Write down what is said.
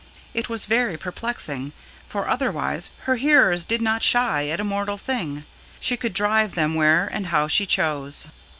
It has very perplexing; for otherwise her hearers did not shy at a mortal thing; she could drive them where and how she chose.